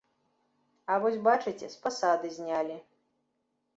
А вось, бачыце, з пасады знялі.